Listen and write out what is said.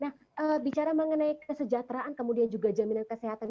nah bicara mengenai kesejahteraan kemudian juga jaminan kesehatan